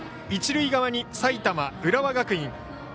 一塁側に埼玉、浦和学院。